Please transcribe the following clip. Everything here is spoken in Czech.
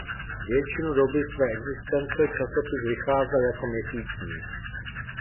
Většinu doby své existence časopis vycházel jako měsíčník.